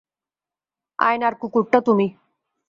আয়নার কুকুরটা তুমি।